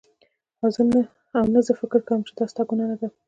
او نه زه فکر کوم چې دا ستا ګناه نده